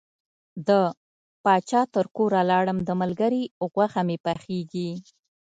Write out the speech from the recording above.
د پاچا تر کوره لاړم د ملګري غوښه مې پخیږي.